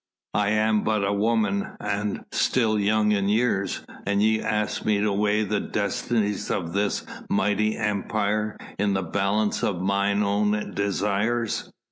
I am but a woman and still young in years, and ye ask me to weigh the destinies of this mighty Empire in the balance of mine own desires."